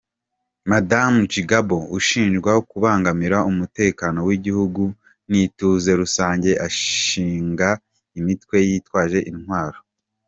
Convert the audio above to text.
Madamu Gbagbo ashinjwa "kubangamira umutekano w'igihugu" n'ituze rusange ashinga imitwe yitwaje intwaro.